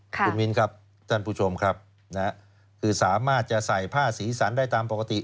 คุณมิ้นครับท่านผู้ชมครับคือสามารถจะใส่ผ้าสีสันได้ตามปกติ